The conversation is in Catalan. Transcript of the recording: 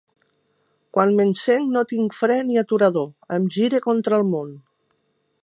Quan m’encenc no tinc fre ni aturador, em gire contra el món.